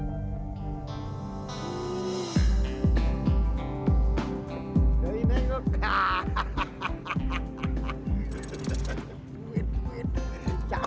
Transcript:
ikut apa sih siapa july